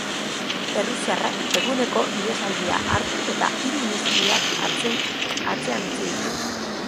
Errusiarrak eguneko ihesaldia hartu eta hiru iheskideak atzean utzi ditu.